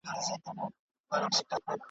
کاظم شیدا ډېرښه ویلي دي .